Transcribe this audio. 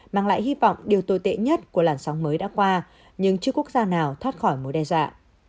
mang lại hy vọng điều tồi tệ nhất của làn sóng mới đã qua nhưng chưa quốc gia nào thoát khỏi mối đe dọa